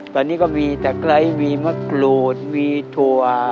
ตอนนี้ก็มีตะไคร้มีมะกรูดมีถั่ว